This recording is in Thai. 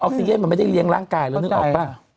ซีเย็นมันไม่ได้เลี้ยงร่างกายแล้วนึกออกป่ะ